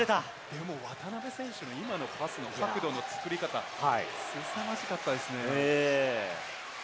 でも渡邊選手の今のパスの角度の作り方、すさまじかったですね。